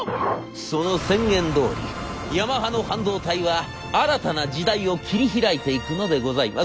その宣言どおりヤマハの半導体は新たな時代を切り開いていくのでございます。